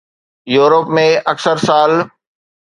Europe ۾ اڪثر سال